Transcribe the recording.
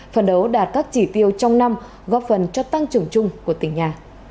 phần đấu đạt các chỉ tiêu trong năm góp phần cho tăng trưởng chung của tỉnh nhà